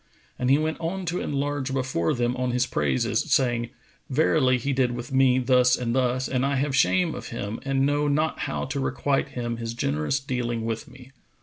And he went on to enlarge before them on his praises, saying, "Verily, he did with me thus and thus and I have shame of him and know not how to requite him his generous dealing with me."